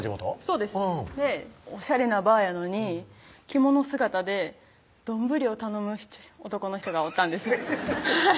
そうですおしゃれなバーやのに着物姿で丼を頼む男の人がおったんですフフフフッ